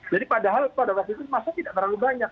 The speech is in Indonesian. jadi padahal pada waktu itu masa tidak terlalu banyak